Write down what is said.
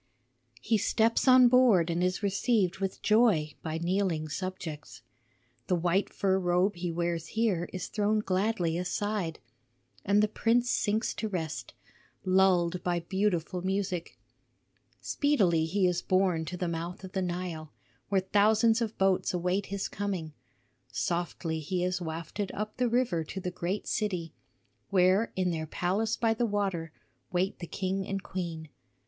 "He steps on board and is received with joy by kneeling subjects. The white fur robe he wears here is thrown gladly aside, and the prince sinks to rest, lulled by beautiful music. Speedily he is borne to the mouth of the Nile, where thousands of boats await his coming. Softly he is wafted up the river to the great city, where in their palace by the water wait the king and queen.